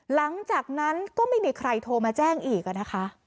หลังจากนั้นก็ไม่มีใครโทรมาแจ้งอีกนะคะ